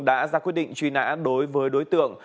đã ra quyết định truy nã đối với đối tượng